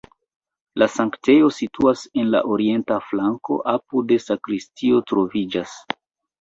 La sanktejo situas en la orienta flanko, apude sakristio troviĝas.